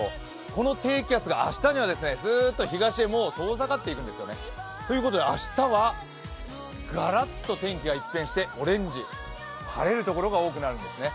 この低気圧が明日にはスッと東へ遠ざかっていくんですよね。ということで明日はガラッと天気が一変してオレンジ、晴れるところが多くなるんですね。